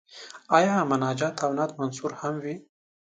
آیا مناجات او نعت منثور هم وي.